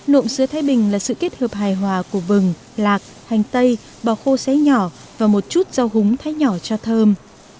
nộm sứa thái bình là sự kết hợp hài hòa của vừng lạc hành tây bò khô xé nhỏ và một chút rau húng thái nhỏ cho thơm